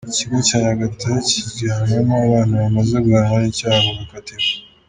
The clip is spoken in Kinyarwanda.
Ikigo cya Nyagatare kijyanwamo abana bamaze guhamwa n’icyaha bagakatirwa.